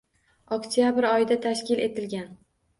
Oktyabr oyida tashkil etilgan.